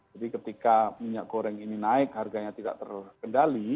jadi ketika minyak goreng ini naik harganya tidak terkendali